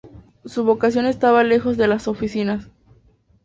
Su vocación estaba lejos de las oficinas.